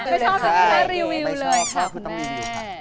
ไม่ชอบกินก็รีวิวเลยค่ะคุณแม่